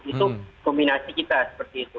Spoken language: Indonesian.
itu kombinasi kita seperti itu